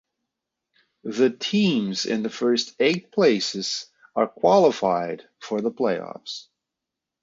The teams in the first eight places are qualified for the playoffs.